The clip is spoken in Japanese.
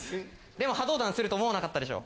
でもはどうだんすると思わなかったでしょ。